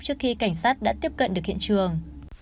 trước khi cảnh sát đã tiếp cận được hiện trường